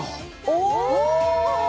お！